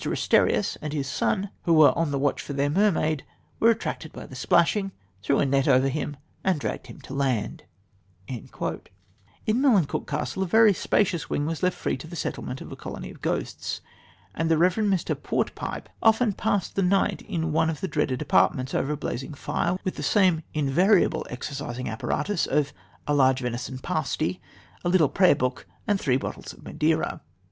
Asterias and his son, who were on the watch for their mermaid, were attracted by the splashing, threw a net over him, and dragged him to land." In Melincourt Castle a very spacious wing was left free to the settlement of a colony of ghosts, and the Rev. Mr. Portpipe often passed the night in one of the dreaded apartments over a blazing fire, with the same invariable exorcising apparatus of a large venison pasty, a little prayer book, and three bottles of Madeira.